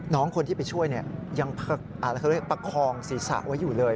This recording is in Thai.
น้องคนที่ไปช่วยยังประคองศีรษะไว้อยู่เลย